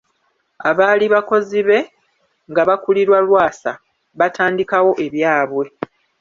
Abaali abakozi be nga bakulirwa Lwasa batandikawo ebyabwe